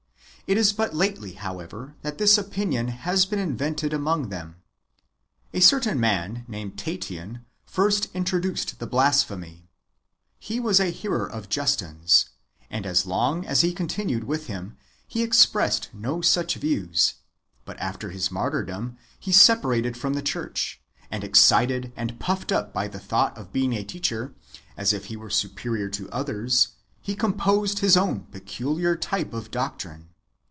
It is but lately, however, that this opinion has been invented among them. A certain man named Tatian first introduced the blasphemy. He was a hearer of Justin's, and as long as he continued Avith him he expressed no such views; but after his martyrdom he separated from the church, and, excited and puffed up by the thought of being a teacher, as if he were superior to others, he composed his Book l] IRENjEUS AGAINST HERESIES, 101 own peculiar type of doctrine.